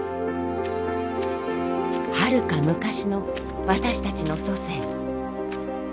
はるか昔の私たちの祖先。